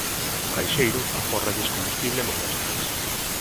O caixeiro afórralles combustible e molestias.